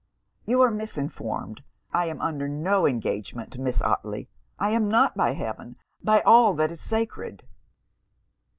'You are misinformed. I am under no engagement to Miss Otley. I am not by heaven! by all that is sacred!'